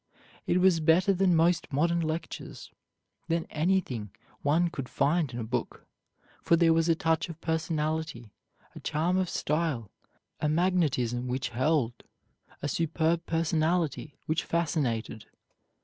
It was better than most modern lectures, than anything one could find in a book; for there was a touch of personality, a charm of style, a magnetism which held, a superb personality which fascinated.